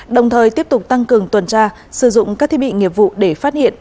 đồng thời tiếp tục tăng cường tuần tra sử dụng các thiết bị nghiệp vụ để phát hiện